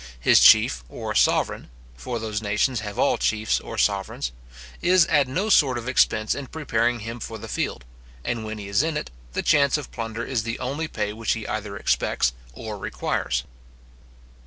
His chief or sovereign (for those nations have all chiefs or sovereigns) is at no sort of expense in preparing him for the field; and when he is in it, the chance of plunder is the only pay which he either expects or requires.